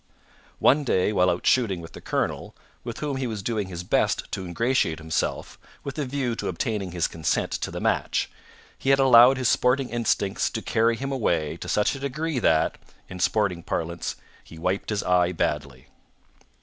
One day while out shooting with the colonel, with whom he was doing his best to ingratiate himself, with a view to obtaining his consent to the match, he had allowed his sporting instincts to carry him away to such a degree that, in sporting parlance, he wiped his eye badly.